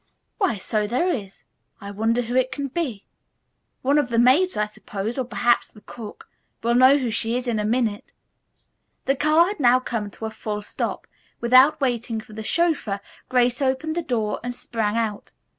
"Why, so there is. I wonder who she can be. One of the maids, I suppose, or perhaps the cook. We'll know who she is in a minute." The car had now come to a full stop. Without waiting for the chauffeur Grace opened the door and sprang out.